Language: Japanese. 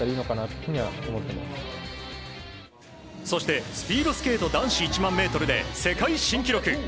そしてスピードスケート男子１００００ｍで世界新記録。